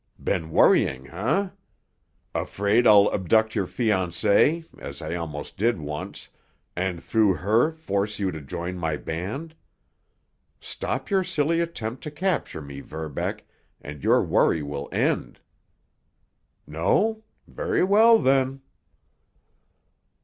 Been worrying, eh? Afraid I'll abduct your fiancée, as I almost did once, and through her force you to join my band? Stop your silly attempt to capture me, Verbeck, and your worry will end. No? Very well, then!"